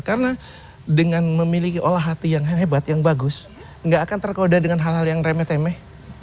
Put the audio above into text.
karena dengan memiliki olah hati yang hebat yang bagus tidak akan tergoda dengan hal hal yang remeh remeh